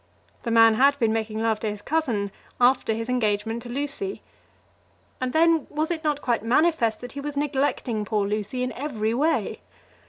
The man had been making love to his cousin after his engagement to Lucy. And then, was it not quite manifest that he was neglecting poor Lucy in every way?